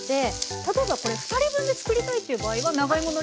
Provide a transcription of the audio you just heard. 例えばこれ２人分で作りたいっていう場合は長芋の量は倍量で？